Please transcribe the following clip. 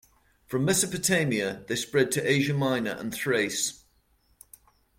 From Mesopotamia they spread to Asia Minor and Thrace.